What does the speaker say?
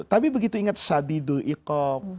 tapi begitu ingat shadidul iqob